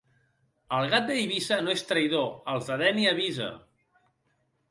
El gat d'Eivissa no és traïdor... i als de Dénia avisa.